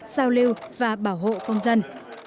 giao lưu và bảo hộ công dân